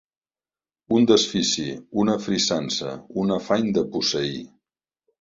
Un desfici, una frisança, un afany de posseir